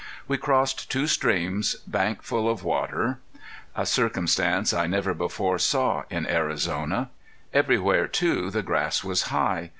We crossed two streams bank full of water, a circumstance I never before saw in Arizona. Everywhere too the grass was high.